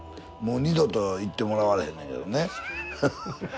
もう二度と行ってもらわれへんのやけどね。